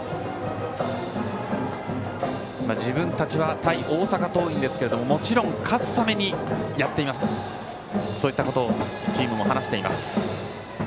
自分たちは対大阪桐蔭ですけどももちろん勝つためにやっていますといったことをチームも話しています。